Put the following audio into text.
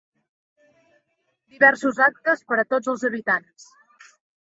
Diversos actes per a tots els habitants.